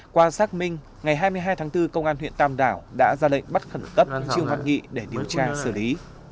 qua xác minh ngày hai mươi hai tháng bốn công an huyện tam đảo đã ra lệnh bắt khẩn cấp trương văn nghị để điều tra xử lý